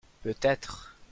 Peut être.